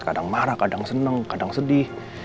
kadang marah kadang seneng kadang sedih